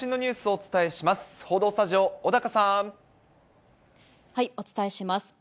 お伝えします。